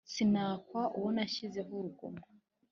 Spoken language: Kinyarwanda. Sinakwa uwo nashyizeho uruguma